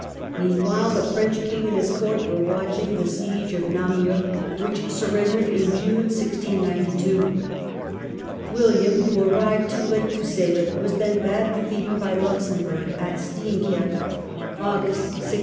Meanwhile the French king and his court were watching the siege of Namur, which surrendered in June, 1692. William, who arrived too late to save it, was then badly beaten by Luxembourg at Steenkerke (August, 1692).